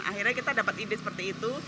akhirnya kita dapat ide seperti itu